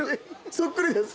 そっくりです。